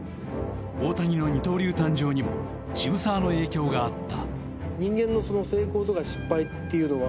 大谷の二刀流誕生にも渋沢の影響があった。